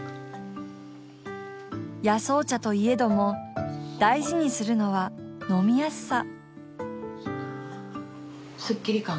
野草茶といえども大事にするのは飲みやすさ。